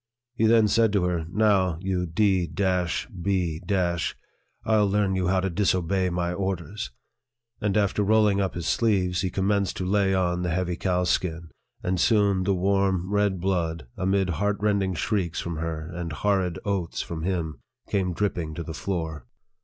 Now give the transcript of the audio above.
He then said to her, "Now, you d d b h, I'll learn you how to disobey my orders !" and after rolling up his sleeves, he commenced to lay on the heavy cowskin, and soon the warm, red blood (amid heart rending shrieks from her, and horrid oaths from him) came dripping to the floor.